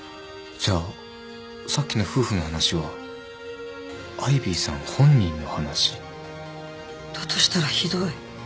じゃあさっきの夫婦の話はアイビーさん本人の話？だとしたらひどい。